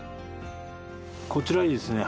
こちらにですね